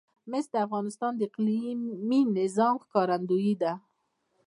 مس د افغانستان د اقلیمي نظام ښکارندوی ده.